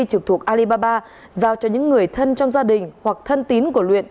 trực thuộc alibaba giao cho những người thân trong gia đình hoặc thân tín của luyện